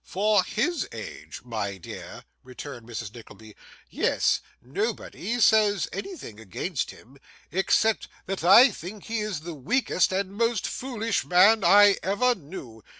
'For HIS age, my dear!' returned Mrs. Nickleby, 'yes; nobody says anything against him, except that I think he is the weakest and most foolish man I ever knew.